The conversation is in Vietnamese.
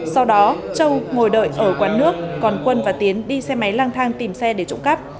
sau đó châu ngồi đợi ở quán nước còn quân và tiến đi xe máy lang thang tìm xe để trộm cắp